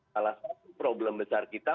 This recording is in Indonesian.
salah satu problem besar kita